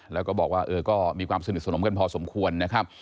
แล้วก็บอกว่าก็มีความสนิทสนมกันพอสมควรนะครับ